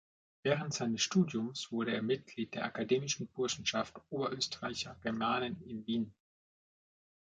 Während seines Studiums wurde er Mitglied der "Akademischen Burschenschaft Oberösterreicher Germanen in Wien".